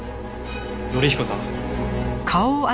紀彦さん。